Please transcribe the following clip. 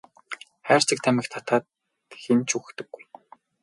Хайрцаг тамхи татаад хэн ч үхдэггүй.